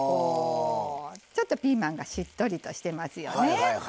ちょっとピーマンがしっとりとしてますよね。